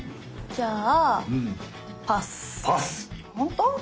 じゃあ。